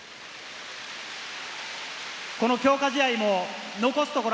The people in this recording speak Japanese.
この強化試合も残すところ